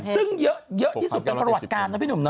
ซึ่งเยอะที่สุดเป็นประวัติการนะพี่หนุ่มนะ